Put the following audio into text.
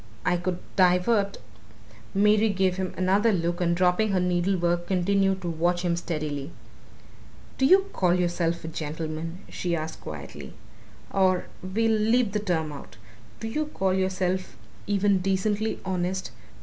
"I could divert " Mary gave him another look and dropping her needlework continued to watch him steadily. "Do you call yourself a gentleman?" she asked quietly. "Or we'll leave the term out. Do you call yourself even decently honest?